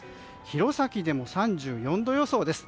弘前でも３４度予想です。